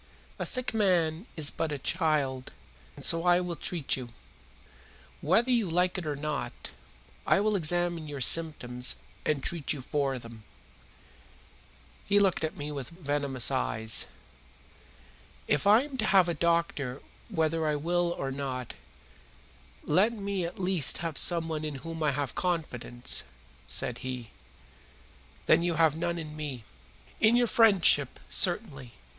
A sick man is but a child, and so I will treat you. Whether you like it or not, I will examine your symptoms and treat you for them." He looked at me with venomous eyes. "If I am to have a doctor whether I will or not, let me at least have someone in whom I have confidence," said he. "Then you have none in me?" "In your friendship, certainly.